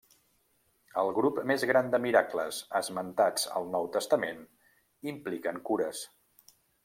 El grup més gran de miracles esmentats al Nou Testament impliquen cures.